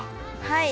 はい。